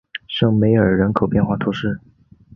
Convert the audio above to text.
圣梅尔人口变化图示